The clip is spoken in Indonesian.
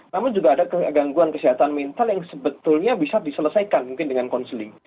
namun juga ada gangguan kesehatan mental yang sebetulnya bisa diselesaikan mungkin dengan konseling